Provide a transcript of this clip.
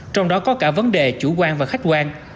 trong đó có cả vấn đề chủ quan và khách quan